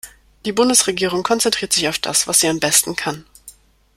Die Bundesregierung konzentriert sich auf das, was sie am besten kann.